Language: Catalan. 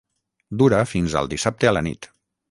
Dura fins al dissabte a la nit.